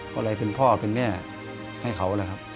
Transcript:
เพราะเลยเป็นพ่อเป็นแม่ให้เขาแล้วครับ